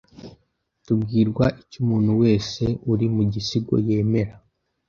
tubwirwa icyo umuntu wese uri mu gisigo yemera